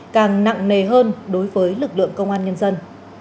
càng nặng nề hơn đối với lực lượng công an nhân dân